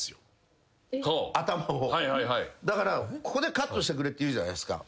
だからここでカットしてくれって言うじゃないですか。